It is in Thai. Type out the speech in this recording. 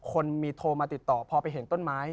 คนมีโทรมาติดต่อพอไปเห็นต้นไม้